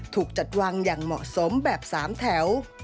ถูกจัดวางอย่างเหมาะสมแบบ๓แถว